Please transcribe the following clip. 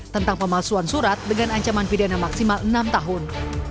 tentang pemalsuan surat dengan ancaman pidana maksimal enam tahun